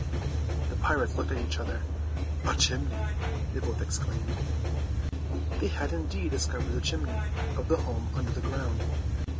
The pirates looked at each other. "A chimney!" they both exclaimed. They had indeed discovered the chimney of the home under the ground.